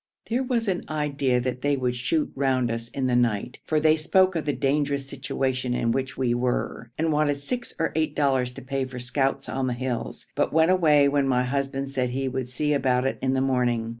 There was an idea that they would shoot round us in the night, for they spoke of the dangerous situation in which we were, and wanted six or eight dollars to pay for scouts on the hills, but went away when my husband said he would see about it in the morning.